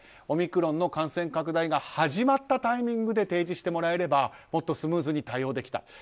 オミクロンの感染拡大が始まったタイミングで提示してもらえればもっとスムーズに対応できた。